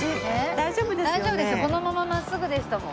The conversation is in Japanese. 大丈夫ですよこのまま真っすぐでしたもん。